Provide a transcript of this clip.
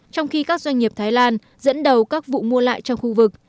trong khi các doanh nghiệp thái lan dẫn đầu các vụ mua lại trong khu vực